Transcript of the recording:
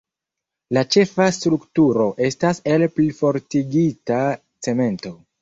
La ĉefa strukturo estas el plifortigita cemento.